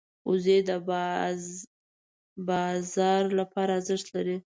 وزې د بازار لپاره ارزښت لري